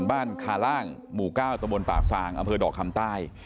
บ้านคาล่างหมู่๙ตะบนป่าซางอำเภอดอกคำใต้